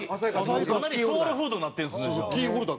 ソウルフードになってるんですねじゃあ。